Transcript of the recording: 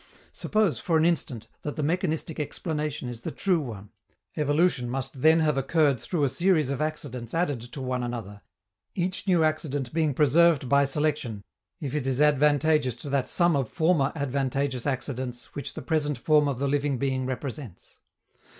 Suppose, for an instant, that the mechanistic explanation is the true one: evolution must then have occurred through a series of accidents added to one another, each new accident being preserved by selection if it is advantageous to that sum of former advantageous accidents which the present form of the living being represents.